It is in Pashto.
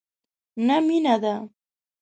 نه مینه ده،